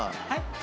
はい？